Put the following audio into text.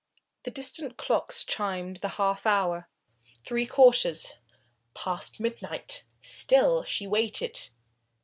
The distant clocks chimed the half hour, three quarters, past midnight. Still she waited.